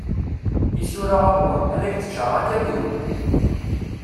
Isura am wa, ad ak-d-ččareɣ akamyun.